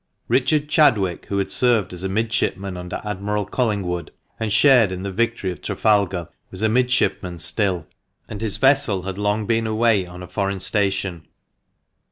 ICHARD CHADWICK, who had served as a midshipman under Admiral Collingwood, and shared in the victory of Trafalgar, was a midshipman still, and his vessel had long been away on a foreign station.